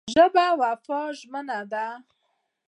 ژبه د وفا ژمنه ده